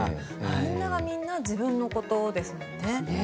みんながみんな自分のことですもんね。